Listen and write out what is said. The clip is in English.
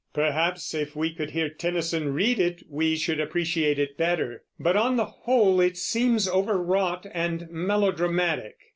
Perhaps if we could hear Tennyson read it, we should appreciate it better; but, on the whole, it seems overwrought and melodramatic.